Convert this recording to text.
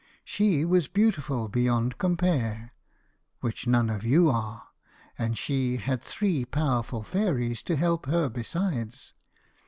She was beautiful beyond compare, which none of you are, and she had three powerful fairies to help her besides.